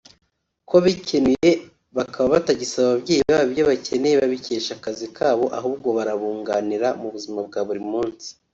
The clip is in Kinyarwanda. ko bikenuye bakaba batagisaba ababyeyi ibyo bakeneye babikesha akazi kabo ahubwo barabunganira mu buzima bwa buri munsi